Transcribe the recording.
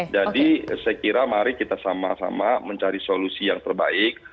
jadi saya kira mari kita sama sama mencari solusi yang terbaik